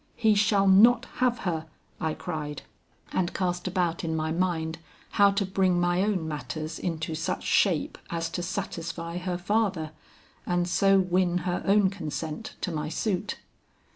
'He shall not have her,' I cried, and cast about in my mind how to bring my own matters into such shape as to satisfy her father and so win her own consent to my suit.